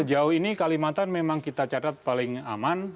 sejauh ini kalimantan memang kita catat paling aman